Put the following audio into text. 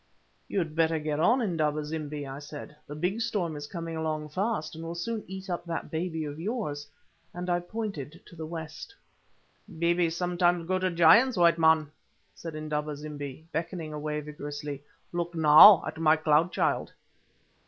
"You had better get on, Indaba zimbi," I said, "the big storm is coming along fast, and will soon eat up that baby of yours," and I pointed to the west. "Babies sometimes grow to giants, white man," said Indaba zimbi, beckoning away vigorously. "Look now at my cloud child."